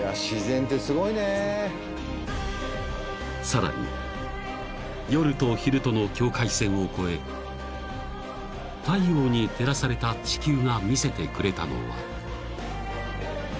［さらに夜と昼との境界線を越え太陽に照らされた地球が見せてくれたのは］